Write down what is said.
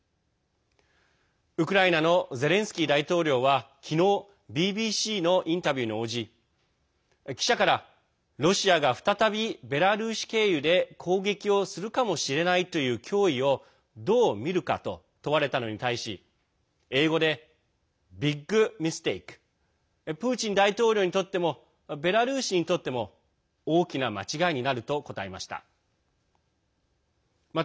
ウクライナのゼレンスキー大統領は昨日ＢＢＣのインタビューに応じ記者からロシアが再びベラルーシ経由で攻撃をするかもしれないという脅威をどう見るかと問われたのに対し英語でＢＩＧＭＩＳＴＡＫＥプーチン大統領にとってもベラルーシにとっても大きな間違いになると答えました。